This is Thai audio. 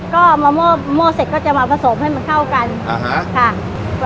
ก็มาหม้อเสร็จก็จะมาผสมให้มันเข้ากันอ่าฮะค่ะ